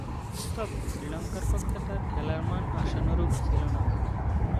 তবে, শ্রীলঙ্কার পক্ষে তার খেলার মান আশানুরূপ ছিল না।